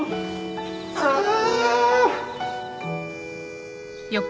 ああ！